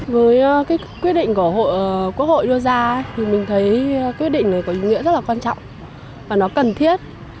với cái quyết định của quốc hội đưa ra thì mình thấy quyết định này có ý nghĩa rất là quan trọng và nó cần thiết